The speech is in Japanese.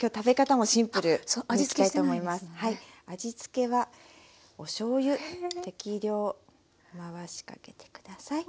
味付けはおしょうゆ適量回しかけて下さい。